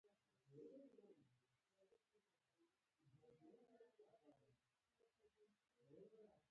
خو داسې نه چې ځان ته زیان ورسوي.